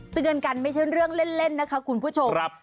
เตือนกันไม่ใช่เรื่องเล่นนะคะคุณผู้ชม